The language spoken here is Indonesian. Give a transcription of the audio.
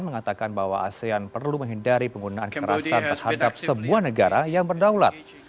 mengatakan bahwa asean perlu menghindari penggunaan kekerasan terhadap sebuah negara yang berdaulat